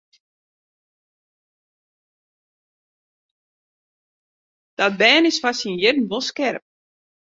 Dat bern is foar syn jierren wol skerp.